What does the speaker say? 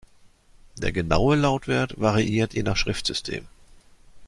Der genaue Lautwert variiert je nach Schriftsystem.